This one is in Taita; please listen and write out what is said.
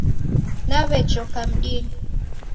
Nawejoka mdinyi